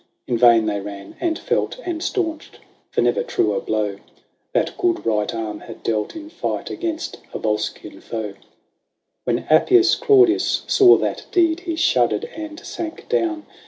In vain they ran, and felt, and stanched ; for never truer blow That good right arm had dealt in fight against a Yolscian foe. When Appius Claudius saw that deed, he shuddered and sank down.